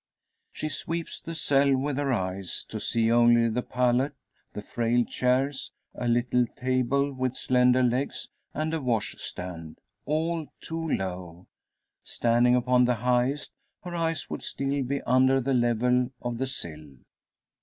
She sweeps the cell with her eyes, to see only the pallet, the frail chairs, a little table with slender legs, and a washstand all too low. Standing upon the highest, her eyes would still be under the level of the sill.